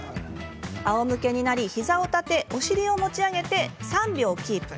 あおむけになり、膝を立ててお尻を持ち上げて３秒キープ。